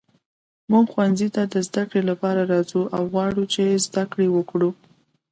موږ ښوونځي ته د زده کړې لپاره راځو او غواړو چې زده کړې وکړو.